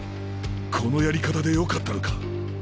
このやり方でよかったのか。